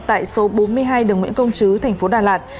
tại số bốn mươi hai đường nguyễn công chứ thành phố đà lạt